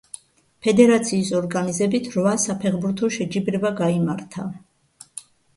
ფედერაციის ორგანიზებით რვა საფეხბურთო შეჯიბრება გაიმართა.